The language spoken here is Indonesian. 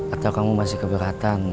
atau kamu masih keberatan